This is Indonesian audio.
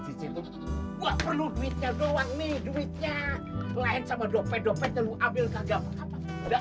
cuci cucu gua perlu duitnya doang nih duitnya lain sama dope dope kamu ambil kagak mengapa